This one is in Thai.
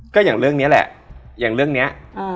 ก็อย่างเรื่องนี้แหละอย่างเรื่องนี้